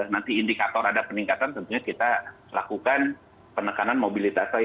nanti indikator ada peningkatan tentunya kita lakukan penekanan mobilitas lagi